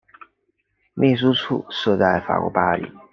秘书处设在法国巴黎。